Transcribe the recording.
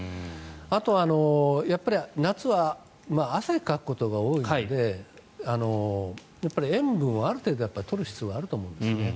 あとは、夏は汗をかくことが多いので塩分をある程度、取る必要はあると思うんですね。